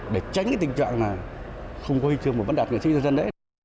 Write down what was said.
để tránh cái tình trạng là không có hư chương mà vẫn đạt hư chương dân đấy